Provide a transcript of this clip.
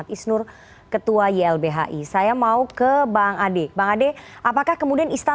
proses ketegakan hukum itu